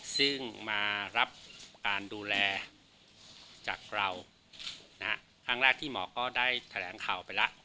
ซึ่งมารับการดูแลจากเราครั้งแรกที่หมอก็ได้แถลงข่าวไปแล้ว